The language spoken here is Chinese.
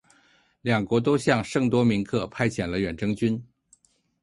两国都向圣多明克派遣了远征军。